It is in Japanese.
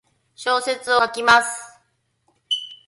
小説を書きます。